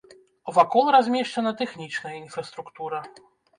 Вакол размешчана тэхнічная інфраструктура.